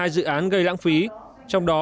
một mươi hai dự án gây lãng phí trong đó